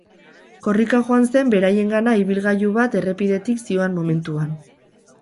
Korrika joan zen beraiengana ibilgailu bat errepidetik zioan momentuan.